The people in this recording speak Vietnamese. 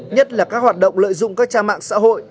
nhất là các hoạt động lợi dụng các trang mạng xã hội